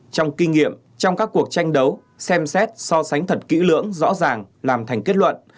trong kinh nghiệm trong các cuộc tranh đấu xem xét so sánh thật kỹ lưỡng rõ ràng làm thành kết luận